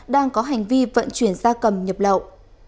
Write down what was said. đang có hành vi vận chuyển da cầm nhập lậu